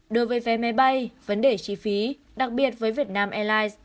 đối với vé máy bay vấn đề chi phí đặc biệt với việt nam airlines